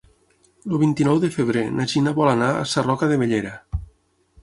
El vint-i-nou de febrer na Gina vol anar a Sarroca de Bellera.